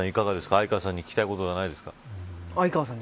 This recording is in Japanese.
相川さんに聞きたいことですか。